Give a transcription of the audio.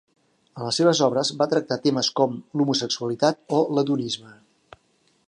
En les seves obres va tractar temes com l'homosexualitat o l'hedonisme.